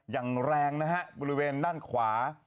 อย่างแรงนะฮะบริเวณด้านขวา